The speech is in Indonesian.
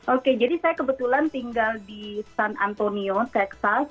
oke jadi saya kebetulan tinggal di san antonio texas